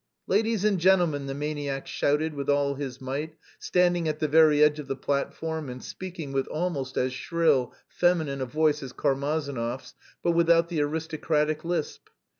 "Ladies and gentlemen," the maniac shouted with all his might, standing at the very edge of the platform and speaking with almost as shrill, feminine a voice as Karmazinov's, but without the aristocratic lisp.